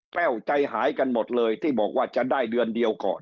แววใจหายกันหมดเลยที่บอกว่าจะได้เดือนเดียวก่อน